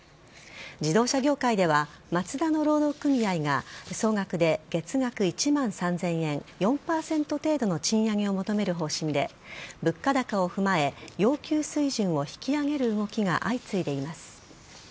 自動車業界ではマツダの労働組合が総額で月額１万３０００円４％程度の賃上げを求める方針で物価高を踏まえ要求水準を引き上げる動きが相次いでいます。